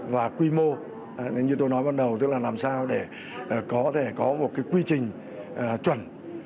và quy mô như tôi nói ban đầu tức là làm sao để có thể có một cái quy trình chuẩn